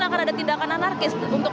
akan ada tindakan anarkis untuk